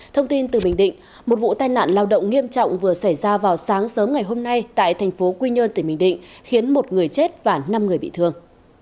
thông tin từ bình định một vụ tai nạn lao động nghiêm trọng vừa xảy ra vào sáng sớm ngày hôm nay tại thành phố quy nhơn tỉnh bình định khiến một người chết và năm người bị thương